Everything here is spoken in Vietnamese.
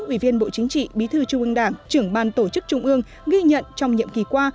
ủy viên bộ chính trị bí thư trung ương đảng trưởng ban tổ chức trung ương ghi nhận trong nhiệm kỳ qua